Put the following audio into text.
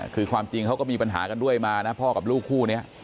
คือความจริงเขาก็มีปัญหากันด้วยมานะพ่อกับลูกคู่นี้